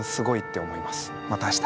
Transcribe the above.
また明日。